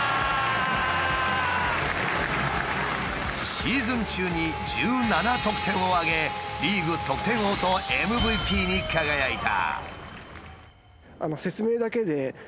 シーズン中に１７得点を挙げリーグ得点王とＭＶＰに輝いた。